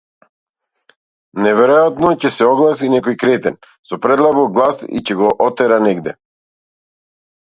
Најверојатно ќе се огласи некој кретен со предлабок глас и ќе го отера негде.